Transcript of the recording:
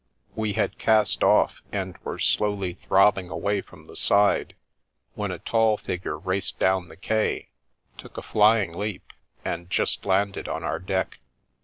We had cast off, and were slowly throbbing away from the side, when a tall figure raced down the quay, took a flying leap, and just landed on our deck.